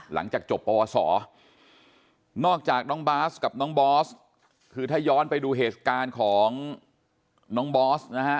หลังจากจบปวสอนอกจากน้องบาสกับน้องบอสคือถ้าย้อนไปดูเหตุการณ์ของน้องบอสนะฮะ